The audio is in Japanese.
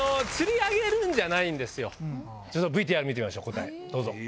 ＶＴＲ見てみましょう答えどうぞ。